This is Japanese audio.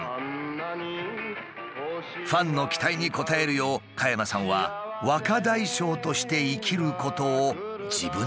ファンの期待に応えるよう加山さんは若大将として生きることを自分に課しているのだ。